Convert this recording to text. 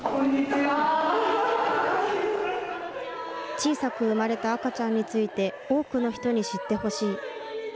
小さく産まれた赤ちゃんについて、多くの人に知ってほしい。